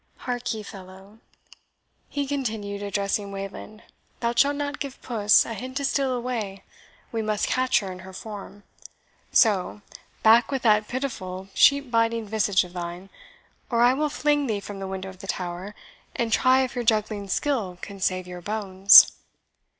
Hark ye, fellow," he continued, addressing Wayland, "thou shalt not give Puss a hint to steal away we must catch her in her form. So, back with that pitiful sheep biting visage of thine, or I will fling thee from the window of the tower, and try if your juggling skill can save your bones."